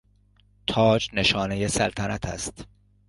تاج نشانهی سلطنت است.